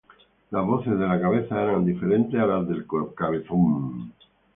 Las voces de "La Cabeza" eran diferentes a las de "El Cabezón".